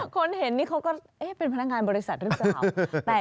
คนเห็นนี่เขาก็เอ๊ะเป็นพนักงานบริษัทหรือเปล่า